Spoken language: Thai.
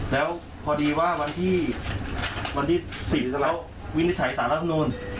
แล้วพอดีว่าวันที่๔แล้ววินิจฉัยสารรัฐมนูล